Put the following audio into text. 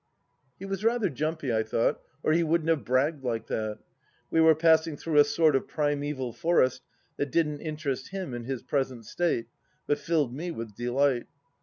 ..." He was rather jumpy, I thought, or he wouldn't have bragged like that. ... We were passing through a sort of primeval forest that didn't interest him in his present state, but filled me with delight.